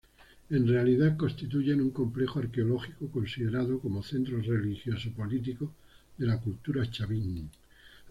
En realidad constituyen un complejo arqueológico, considerado como centro religioso-político de la cultura chavín.